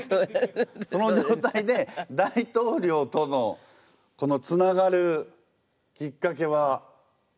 そのじょうたいで大統領とのこのつながるきっかけは？